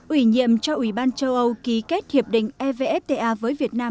ủy nhiệm cho ủy ban châu âu ký kết hiệp định evfta với việt nam